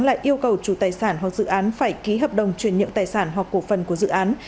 lại yêu cầu chủ tài sản hoặc dự án phải ký hợp đồng truyền nhượng tài sản hoặc cổ phần của dự án